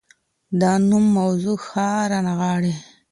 دا نوم موضوع ښه رانغاړي.